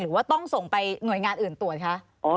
หรือว่าต้องส่งไปหน่วยงานอื่นตรวจคะ